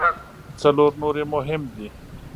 څلور نور یې مهم دي.